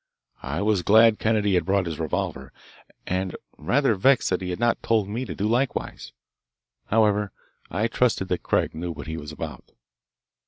I was glad Kennedy had brought his revolver, and rather vexed that he had not told me to do likewise. However, I trusted that Craig knew what he was about.